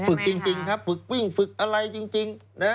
จริงครับฝึกวิ่งฝึกอะไรจริง